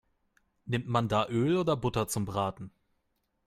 Nimmt man da Öl oder Butter zum Braten?